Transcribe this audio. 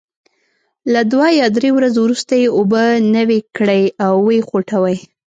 له دوه یا درې ورځو وروسته یې اوبه نوي کړئ او وې خوټوئ.